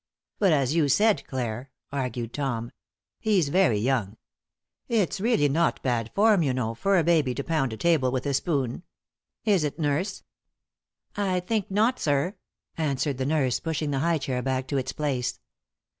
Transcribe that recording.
"But as you said, Clare," argued Tom, "he's very young. It's really not bad form, you know, for a baby to pound a table with a spoon. Is it, nurse?" "I think not, sir," answered the nurse, pushing the high chair back to its place.